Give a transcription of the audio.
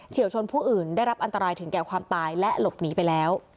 วชนผู้อื่นได้รับอันตรายถึงแก่ความตายและหลบหนีไปแล้ว